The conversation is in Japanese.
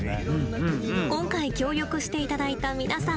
今回協力して頂いた皆さん